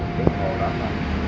xe bị đập